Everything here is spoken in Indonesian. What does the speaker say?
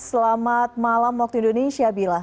selamat malam waktu indonesia bila